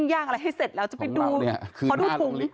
ย่างอะไรให้เสร็จแล้วจะไปดูขอดูถุง